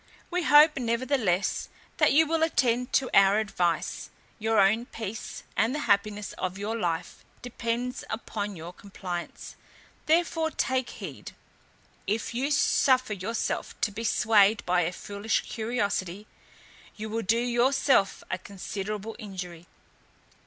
We hope, nevertheless, that you will attend to our advice; your own peace, and the happiness of your life, depends upon your compliance; therefore take heed. If you suffer yourself to be swayed by a foolish curiosity, you will do yourself a considerable injury.